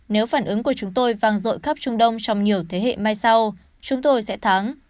nếu phản ứng của chúng tôi vang rội khắp trung đông trong nhiều thế hệ mai sau chúng tôi sẽ thắng